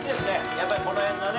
やっぱりこの辺のね